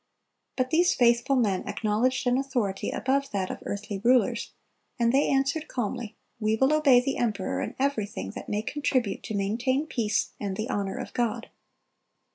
But these faithful men acknowledged an authority above that of earthly rulers, and they answered calmly, "We will obey the emperor in everything that may contribute to maintain peace and the honor of God."